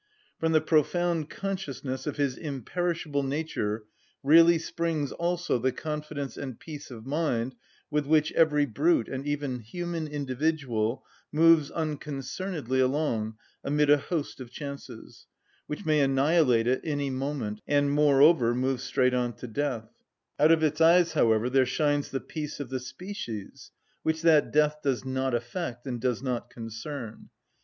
From the profound consciousness of his imperishable nature really springs also the confidence and peace of mind with which every brute, and even human individual, moves unconcernedly along amid a host of chances, which may annihilate it any moment, and, moreover, moves straight on to death: out of its eyes, however, there shines the peace of the species, which that death does not affect, and does not concern.